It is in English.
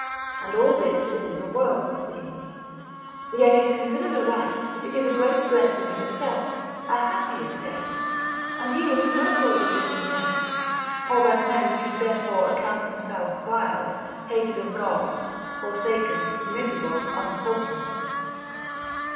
and all this in the world's esteem: yet if considered aright, it is a great blessing in itself, a happy estate, and yields no cause of discontent, or that men should therefore account themselves vile, hated of God, forsaken, miserable, unfortunate.